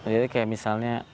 jadi kayak misalnya